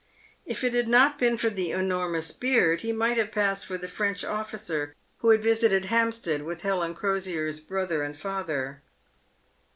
If it had not been for the enormous beard, he might have passed for the French officer who had visited Hampstead with Helen Crosier's brother and father.